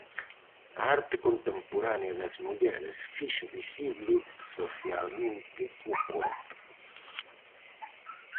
A arte contemporánea das mulleres fixo visible socialmente o corpo.